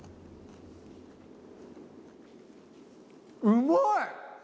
うまい！